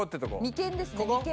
眉間ですね眉間。